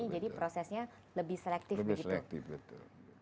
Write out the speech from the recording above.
jadi prosesnya lebih selektif